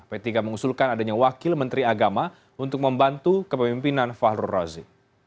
p tiga mengusulkan adanya wakil menteri agama untuk membantu kepemimpinan fahrul razi